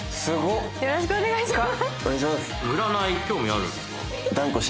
よろしくお願いします。